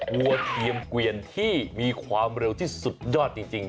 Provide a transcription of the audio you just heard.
วัวเทียมเกวียนที่มีความเร็วที่สุดยอดจริง